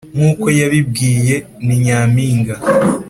Nk’uko yabibwiye “Ni Nyampinga”,